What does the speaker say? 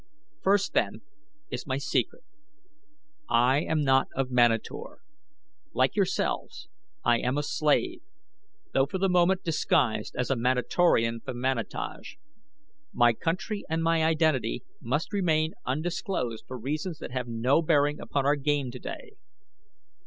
"First, then, is my secret. I am not of Manator. Like yourselves I am a slave, though for the moment disguised as a Manatorian from Manataj. My country and my identity must remain undisclosed for reasons that have no bearing upon our game today.